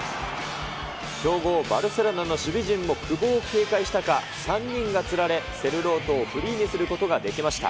強豪バルセロナの守備陣も久保を警戒したか、３人がつられ、セルロートをフリーにすることができました。